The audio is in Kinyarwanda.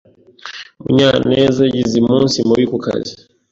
Munyanezyagize umunsi mubi kukazi.